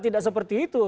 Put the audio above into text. tidak seperti itu